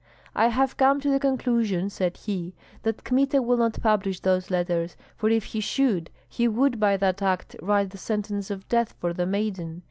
"I have come to the conclusion," said he, "that Kmita will not publish those letters, for if he should he would by that act write the sentence of death for the maiden.